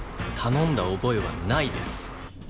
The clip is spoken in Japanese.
頼んだ覚えはないです。